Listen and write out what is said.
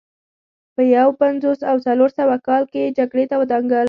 په یو پنځوس او څلور سوه کال کې یې جګړې ته ودانګل